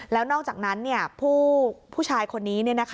แล้วนอกจากนั้นผู้ชายคนนี้